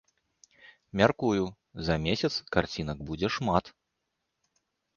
Мяркую, за месяц карцінак будзе шмат.